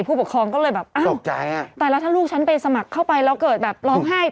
ผู้ปกครองก็เลยตายแล้วถ้าลูกฉันไปสมัครเข้าไปแล้วเกิดร้องไห้